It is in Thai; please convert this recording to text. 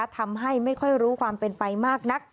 ทำให้ไม่ค่อยรู้ความเป็นไปมากนัก